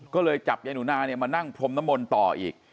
ก็เลยจับยายหนูนาเนี่ยมานั่งพรมนมลต่ออีก